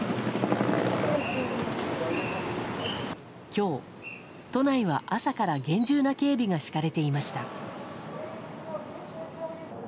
今日、都内は朝から厳重な警備が敷かれていました。